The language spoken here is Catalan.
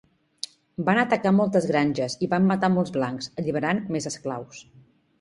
Van atacar moltes granges i van matar molts blancs, alliberant més esclaus.